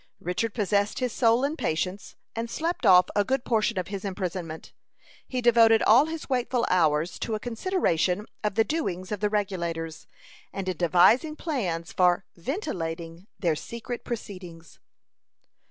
Richard possessed his soul in patience, and slept off a good portion of his imprisonment. He devoted all his wakeful hours to a consideration of the doings of the Regulators, and in devising plans for "ventilating" their secret proceedings.